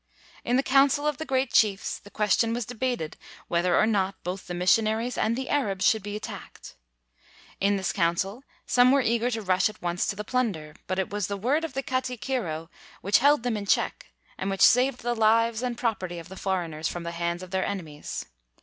In the council of the great chiefs, the question was debated whether or not both the missionaries and the Arabs should be attacked. In this council, some were eager to rush at once to the plunder; but it was the word of the katikiro which held them in check and which saved the lives and property of the foreigners from the hands of their enemies.